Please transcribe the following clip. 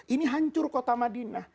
ini hancur kota madinah